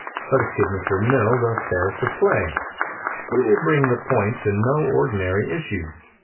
Let us give Mr. Mill the fairest of play. We will bring the point to no ordinary issue.